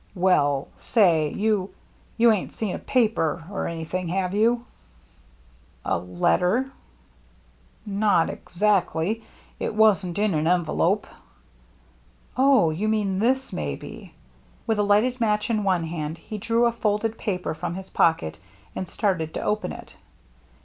" Well, say — you — you ain't seen a paper — or anything, have you ?" "A letter?" " Not exactly. It wasn't in an envelope." "Oh, you mean this, maybe." With a lighted match in one hand, he drew a folded paper from his pocket and started to open it.